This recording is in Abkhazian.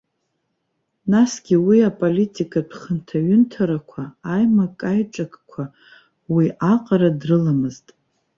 Насгьы уи аполитикатә хынҭаҩынҭарақәа, аимакаиҿакқәа уи аҟара дрыламызт.